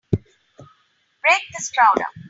Break this crowd up!